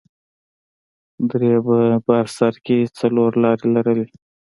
درې په بر سر کښې څو لارې لرلې.